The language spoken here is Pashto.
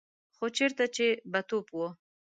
خو چېرته چې به توپ و.